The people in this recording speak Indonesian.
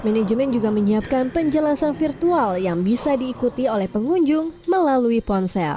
manajemen juga menyiapkan penjelasan virtual yang bisa diikuti oleh pengunjung melalui ponsel